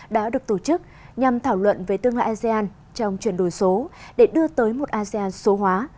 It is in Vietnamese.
đã được tổ chức nhằm thảo luận về tương lai asean trong chuyển đổi số để đưa tới một asean số hóa